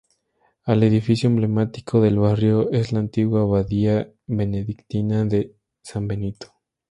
El edificio emblemático del barrio es la antigua abadía benedictina de San Benito.